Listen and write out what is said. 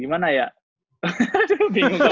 nih kalo ada yang kontak jalul